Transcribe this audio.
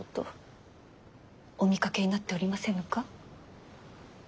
お見かけになっておりませぬか？